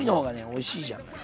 おいしいじゃない？